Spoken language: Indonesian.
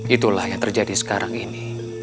itulah yang terjadi sekarang ini